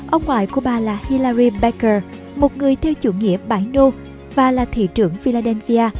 ông ngoại của bà là hillarim baker một người theo chủ nghĩa bãi nô và là thị trưởng philadelphia